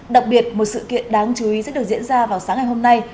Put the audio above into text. đặc biệt một sự kiện đáng chú ý sẽ được diễn ra vào sáng ngày hôm nay